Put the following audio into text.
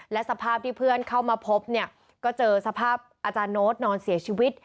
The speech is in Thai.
และสภาพที่เพื่อนเข้ามาพบเนี่ยก็เจอสภาพอาจารย์โน้ตนอนเสียชีวิต